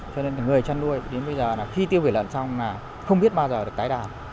cho nên người chăn nuôi đến bây giờ khi tiêu vỉ lợn xong là không biết bao giờ được tái đảm